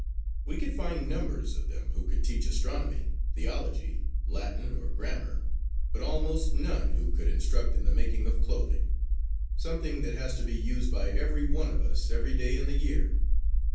We could find numbers of them who could teach astronomy, theology, Latin or grammar, but almost none who could instruct in the making of clothing, something that has to be used by every one of us every day in the year.